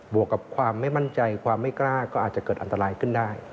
วกกับความไม่มั่นใจความไม่กล้าก็อาจจะเกิดอันตรายขึ้นได้